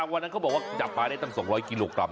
วันนั้นเขาบอกว่าจับปลาได้ตั้ง๒๐๐กิโลกรัม